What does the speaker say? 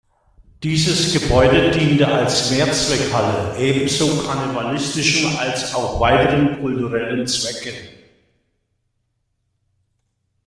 Dieses Gebäude diente als Mehrzweckhalle ebenso karnevalistischen, als auch weiteren kulturellen Zwecken.